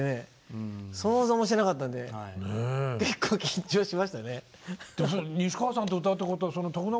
想像もしてなかったので結構緊張しましたね。